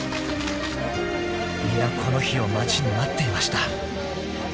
［皆この日を待ちに待っていました］